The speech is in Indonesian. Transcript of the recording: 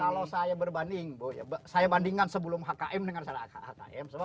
kalau saya berbanding saya bandingkan sebelum hkm dengan hkm